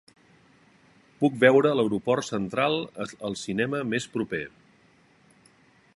Puc veure l'aeroport central al cinema més proper